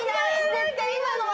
絶対今のは。